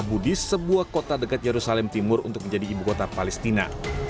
budis sebuah kota dekat yerusalem timur untuk menjadi ibu kota palestina